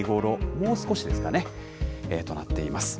もう少しですかね、となっています。